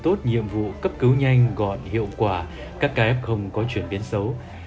tốt nhiệm vụ cấp cứu nhanh gọn hiệu quả các kf có chuyển biến xấu